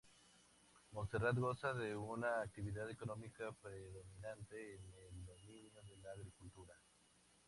Monserrat goza de una actividad económica predominante en el dominio de la agricultura.